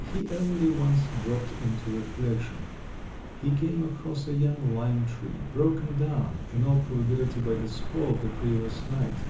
He only once dropped into reflection; he came across a young lime tree, broken down, in all probability by the squall of the previous night.